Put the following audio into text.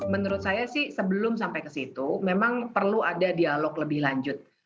menurut saya sih sebelum sampai ke situ memang perlu ada dialog lebih lanjut